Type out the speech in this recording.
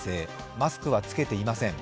マスクはつけていません。